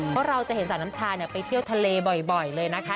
เพราะเราจะเห็นสาวน้ำชาไปเที่ยวทะเลบ่อยเลยนะคะ